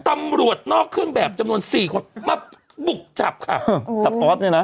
ตำรวจนอกเครื่องแบบจำนวนสี่คนมาบุกจับค่ะจับออสเนี่ยนะ